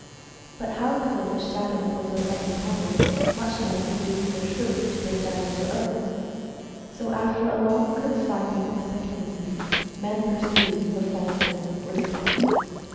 But how could a shadow J fulfil any promise, much less induce the Truth to descend to earth ? So after a long confiding expectancy, men perceived the falseness of Wisdom.